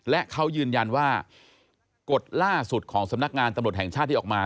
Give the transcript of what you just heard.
และเขายืนยันว่ากฎล่าสุดของสำนักงานตำรวจแห่งชาติที่ออกมา